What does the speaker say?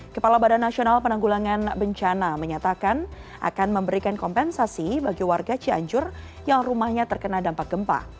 kepala badan nasional penanggulangan bencana menyatakan akan memberikan kompensasi bagi warga cianjur yang rumahnya terkena dampak gempa